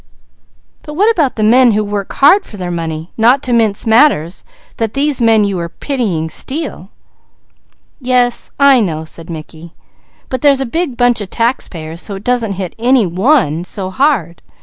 "But what about the men who work hard for their money, not to mince matters, that these men you are pitying steal?" asked Douglas. "Yes, I know," said Mickey. "But there's a big bunch of taxpayers, so it doesn't hit any one so hard.